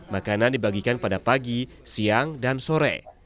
makanan dibagikan pada pagi siang dan sore